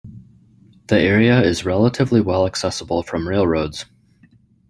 The area is relatively well accessible from railroads.